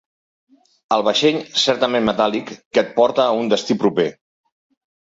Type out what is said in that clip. El vaixell certament metàl·lic que et porta a un destí proper.